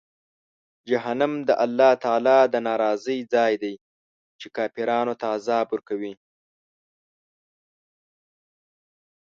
جهنم د الله تعالی د ناراضۍ ځای دی، چې کافرانو ته عذاب ورکوي.